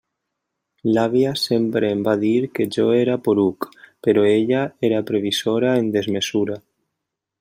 L'àvia sempre em va dir que jo era poruc, però ella era previsora en desmesura.